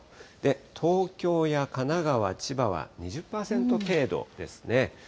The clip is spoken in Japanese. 東京や神奈川、千葉は２０％程度ですね。